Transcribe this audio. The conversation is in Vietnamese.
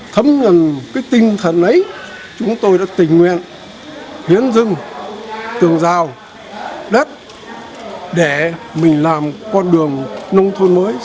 thấm nhuận cái tinh thần ấy chúng tôi đã tình nguyện hiến dưng tường rào đất để mình làm con đường nông thôn mới